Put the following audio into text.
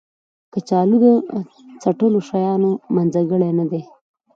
کچالو د څټلو شیانو منځګړی نه دی